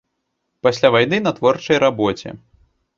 Пасля вайны на творчай рабоце.